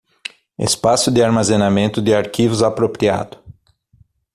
Espaço de armazenamento de arquivos apropriado